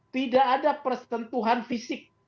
tidak ada persentuhan fisik